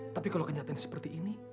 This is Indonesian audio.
tapi kalau kenyataan seperti ini